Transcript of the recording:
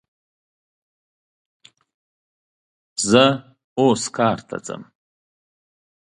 زه اوس کار ته ځم